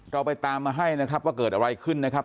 เราไปตามมาให้นะครับว่าเกิดอะไรขึ้นนะครับ